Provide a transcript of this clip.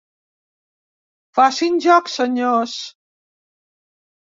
Facin joc, senyors.